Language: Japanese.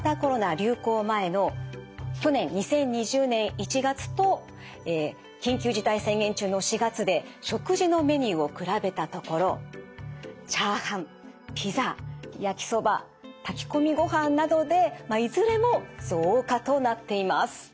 流行前の去年２０２０年１月と緊急事態宣言中の４月で食事のメニューを比べたところチャーハンピザ焼きそば炊き込みご飯などでいずれも増加となっています。